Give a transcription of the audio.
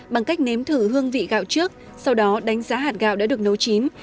bằng cách nếm thử hương vị gạo trước sau đó đánh giá hạt gạo đã được nấu chín